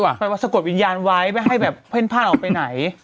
หมายว่าสะกดวิญญาณไว้ไม่ให้แบบเพ่นพลาดออกไปไหน